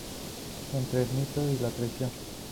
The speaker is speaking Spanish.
Entre el mito y la tradición".